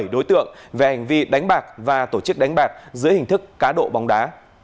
đối tượng về hành vi đánh bạc và tổ chức đánh bạc giữa hình thức cá độ bóng đá